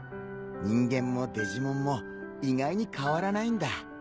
人間もデジモンも意外に変わらないんだ。